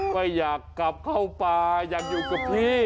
ไม่อยากกลับเข้าป่าอยากอยู่กับพี่